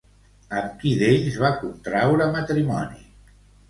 Amb qui d'ells va contraure matrimoni?